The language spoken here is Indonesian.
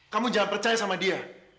kamu jangan percaya sama dia